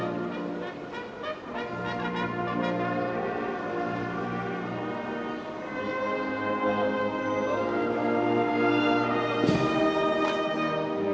อัศวินธรรมชาติ